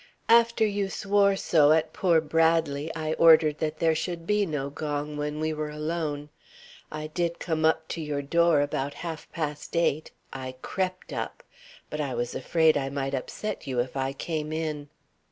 "After you swore so at poor Bradley I ordered that there should be no gongs when we were alone. I did come up to your door about half past eight. I crept up. But I was afraid I might upset you if I came in."